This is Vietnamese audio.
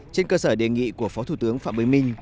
trên cơ sở đề nghị của phó thủ tướng phạm bình minh